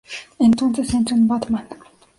Entonces entra en Batman.